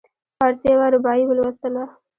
فارسي یوه رباعي ولوستله.